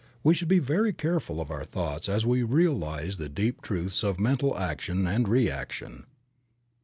We should be very careful of our thoughts as we realize the deep truths of mental action and reaction.